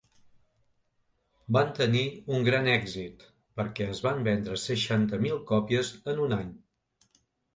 Van tenir un gran èxit, perquè es van vendre seixanta mil còpies en un any.